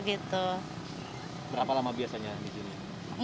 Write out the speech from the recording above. itu berapa lama biasanya di sini